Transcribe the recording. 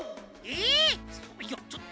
えっ。